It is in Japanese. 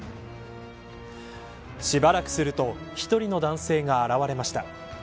しばらくすると１人の男性が現れました。